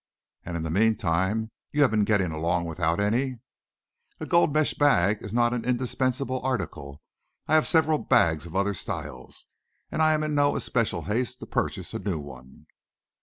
"And in the meantime you have been getting along without any?" "A gold mesh bag is not an indispensable article; I have several bags of other styles, and I'm in no especial haste to purchase a new one."